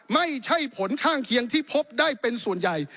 ไม่ใช่ผลข้างเคียงที่พบได้เป็นส่วนใหญ่